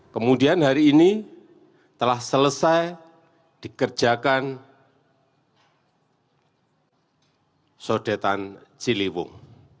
kemudian hari ini telah selesai dikerjakan sodetan ciliwung